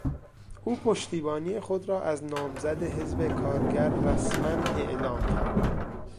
او پشتیبانی خود را از نامزد حزب کارگر رسما اعلام کرد.